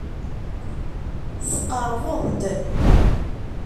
Tqerrbeḍ-d.